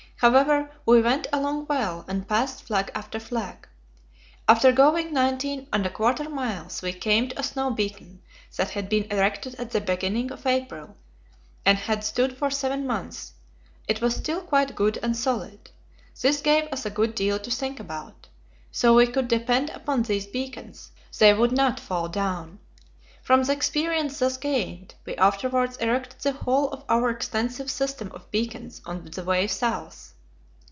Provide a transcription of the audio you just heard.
However, we went along well, and passed flag after flag. After going nineteen and a quarter miles, we came to a snow beacon that had been erected at the beginning of April, and had stood for seven months; it was still quite good and solid. This gave us a good deal to think about: so we could depend upon these beacons; they would not fall down. From the experience thus gained, we afterwards erected the whole of our extensive system of beacons on the way south.